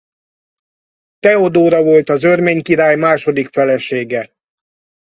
Teodóra volt az örmény király második felesége.